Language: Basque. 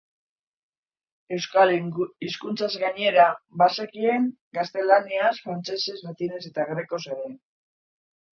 Euskal hizkuntzaz gainera, bazekien gaztelaniaz, frantsesez, latinez eta grekoz ere.